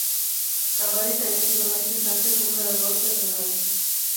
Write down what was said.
Tavares había sido meses antes número dos de Renault.